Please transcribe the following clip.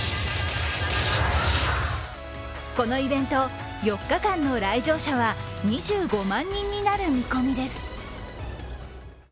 このイベント、４日間の来場者は２５万人になる見込みです。